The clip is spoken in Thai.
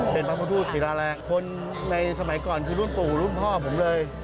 เป็นพระพุทธศิราแรงคนในสมัยก่อนคือรุ่นปู่รุ่นพ่อผมเลย